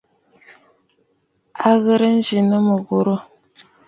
À ghɨ̀rə nzì nɨ mɨ̀ghurə̀.